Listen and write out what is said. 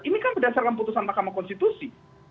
ini kan berdasarkan putusan mahkamah konstitusi